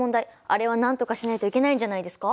あれはなんとかしないといけないんじゃないですか？